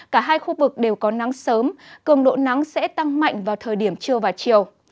cả hai khu vực đều có nắng sớm cường độ nắng sẽ tăng mạnh vào thời điểm trưa và chiều